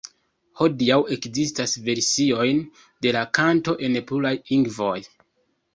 Hodiaŭ ekzistas versiojn de la kanto en pluraj lingvoj.